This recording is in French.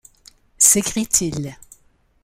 s’écrie-t-il.